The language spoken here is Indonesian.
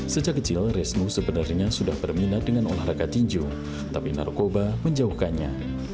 sejak kecil resnu sebenarnya sudah berminat dengan olahraga tinju tapi narkoba menjauhkannya